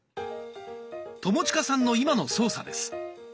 友近さんの今の操作です。